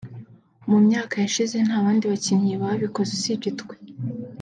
Mu myaka yashize nta bandi bakinnyi babikoze usibye twe